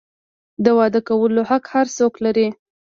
د واده کولو حق هر څوک لري.